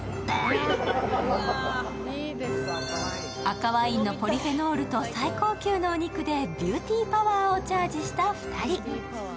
赤ワインのポリフェノールと最高級のお肉でビューティーパワーをチャージした２人。